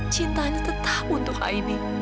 cintanya tetap untuk aini